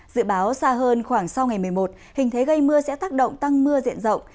dự báo xa hơn khoảng sau ngày một mươi một hình thế gây mưa sẽ tác động tăng mưa diện rộng